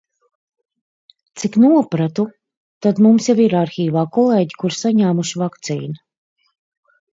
Cik nopratu, tad mums jau ir arhīvā kolēģi, kuri saņēmuši vakcīnu.